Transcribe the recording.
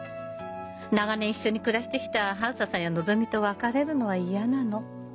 長年一緒に暮らしてきたあづささんやのぞみと別れるのは嫌なの。